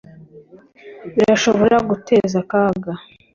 Birashobora guteza akaga